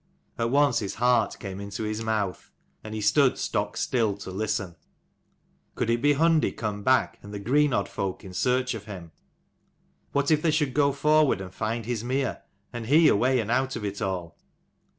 At once his heart came into his mouth and he stood stock still to listen. Could it be Hundi come back, and the Greenodd folk in search of him ? What if they should go forward and find his mere, and he away and out of it all